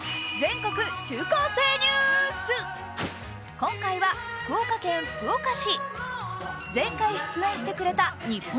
今回は福岡県福岡市。